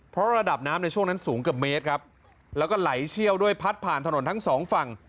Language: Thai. เพราะระดับน้ำในช่วงนั้นสูงเกือบเมตรครับแล้วก็ไหลเชี่ยวด้วยพัดผ่านถนนทั้งสองฝั่ง